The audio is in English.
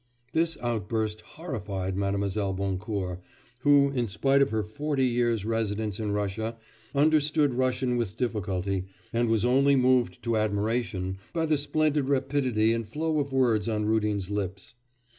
This outburst horrified Mlle. Boncourt, who in spite of her forty years' residence in Russia understood Russian with difficulty, and was only moved to admiration by the splendid rapidity and flow of words on Rudin's lips.